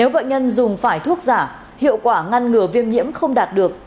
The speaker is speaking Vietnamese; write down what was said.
nếu bệnh nhân dùng phải thuốc giả hiệu quả ngăn ngừa viêm nhiễm không đạt được